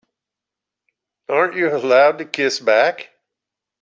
Aren't you allowed to kiss back?